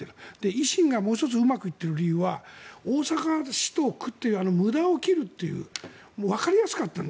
維新がもう１つうまくいっている理由は大阪の市と区という無駄を切るというわかりやすかったの。